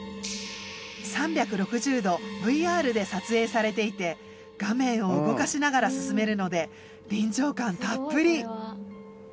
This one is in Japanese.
３６０度ＶＲで撮影されていて画面を動かしながら進めるので臨場感たっぷり。